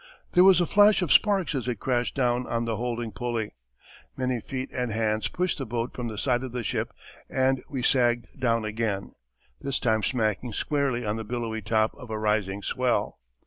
There was a flash of sparks as it crashed down on the holding pulley. Many feet and hands pushed the boat from the side of the ship and we sagged down again, this time smacking squarely on the billowy top of a rising swell.